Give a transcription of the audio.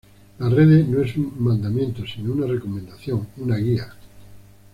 La Rede no es un mandamiento sino una recomendación, una guía.